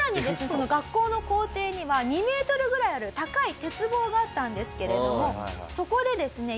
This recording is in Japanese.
その学校の校庭には２メートルぐらいある高い鉄棒があったんですけれどもそこでですね